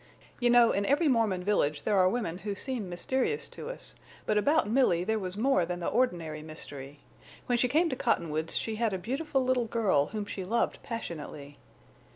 You know, in every Mormon village there are women who seem mysterious to us, but about Milly there was more than the ordinary mystery. When she came to Cottonwoods she had a beautiful little girl whom she loved passionately.